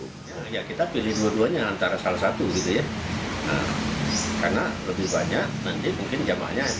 hai ya kita pilih dua duanya antara salah satu gitu ya karena lebih banyak nanti mungkin jamahnya